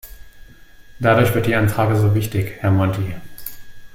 Dadurch wird die Anfrage so wichtig, Herr Monti.